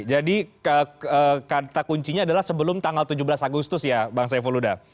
jadi kata kuncinya adalah sebelum tanggal tujuh belas agustus ya bang saiful uda